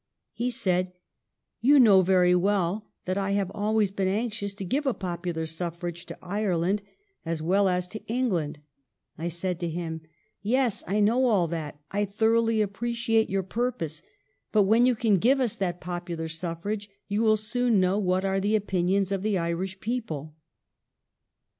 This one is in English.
He said, " You know very well that I have always been anxious to give a popular suffrage to Ireland as well as 362 THE STORY OF GLADSTONE'S LIFE to England." I said to him, "Yes, I know all that; I thoroughly appreciate your purpose; but when you can give us that popular suffrage you will soon know what are the opinions of the Irish people."